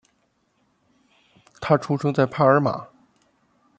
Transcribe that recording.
他出生在帕尔马。